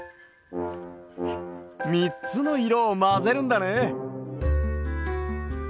みっつのいろをまぜるんだね。